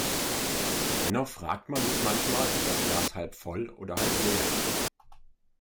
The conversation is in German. Dennoch fragt man sich manchmal, ob das Glas halb voll oder halb leer ist.